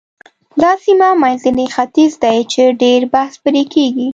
دا سیمه منځنی ختیځ دی چې ډېر بحث پرې کېږي.